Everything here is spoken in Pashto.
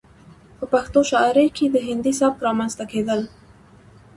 ،په پښتو شاعرۍ کې د هندي سبک رامنځته کېدل